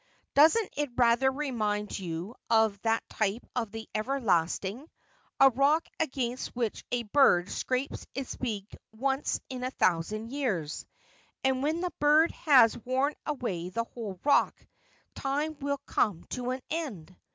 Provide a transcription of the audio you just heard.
Doesn't it rather remind you of that type of the everlasting — a rock against which a bird scrapes its beak once in a thousand years, and when the bird has worn away the whole rock, time will come to an end